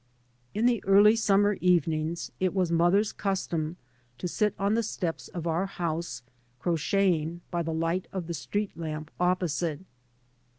In the early summer evenings it was mother's custom to sit on the steps of our house, crocheting by the light of the street lamp opposite.